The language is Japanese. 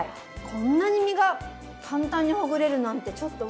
こんなに身が簡単にほぐれるなんてちょっとうわ。